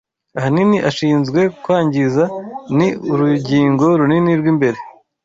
Ahanini ashinzwe kwangiza, ni urugingo runini rwimbere